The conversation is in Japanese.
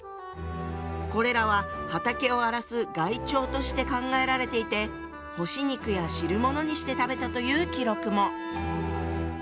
これらは畑を荒らす害鳥として考えられていて干し肉や汁物にして食べたという記録も。